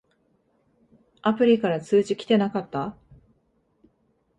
アプリから通知きてなかった？